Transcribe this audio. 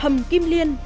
hầm kim liên